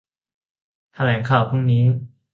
แถลงข่าวพรุ่งนี้